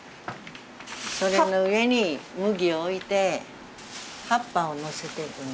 それの上に麦を置いて葉っぱをのせていくんですね。